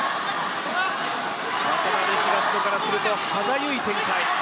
渡辺・東野からすると歯がゆい展開。